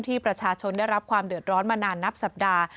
ประชาชนได้รับความเดือดร้อนมานานนับสัปดาห์